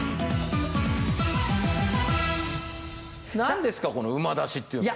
何ですかこの馬出しというのは？